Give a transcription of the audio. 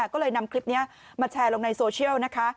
ก็เลยนำคลิปนี้มาแชร์ลงในโซเชียลนะคะ